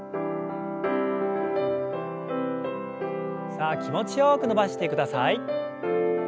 さあ気持ちよく伸ばしてください。